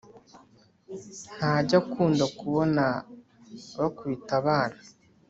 ntajya akunda kubona bakubita abana